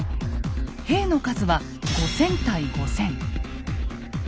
兵の数は５，０００対５，０００。